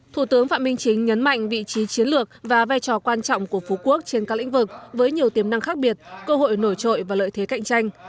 thủ tướng phạm minh chính nhấn mạnh vị trí chiến lược và vai trò quan trọng của phú quốc trên các lĩnh vực với nhiều tiềm năng khác biệt cơ hội nổi trội và lợi thế cạnh tranh